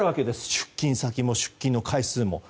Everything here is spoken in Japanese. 出金先も出金の回数も。